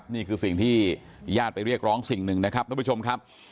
นี่คือสิ่งที่ญาติไปเรียกร้องสิ่งหนึ่งนะครับท่านผู้ชมครับ